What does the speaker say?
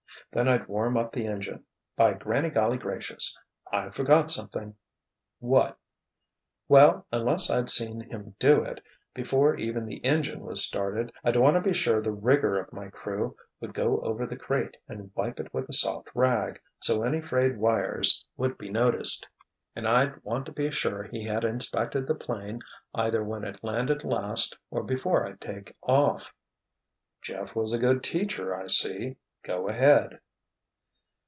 Then I'd warm up the engine—by granny golly gracious! I forgot something——" "What?" "Well, unless I'd seen him do it, before even the engine was started, I'd want to be sure the 'rigger' of my crew would go over the crate and wipe it with a soft rag, so any frayed wires would be noticed—and I'd want to be sure he had inspected the 'plane either when it landed last or before I'd take off." "Jeff was a good teacher, I see. Go ahead."